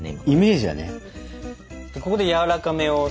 ここで軟らかめを。